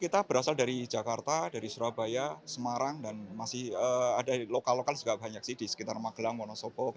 kita berasal dari jakarta dari surabaya semarang dan masih ada lokal lokal juga banyak sih di sekitar magelang monosopo kepala dan jawa tengah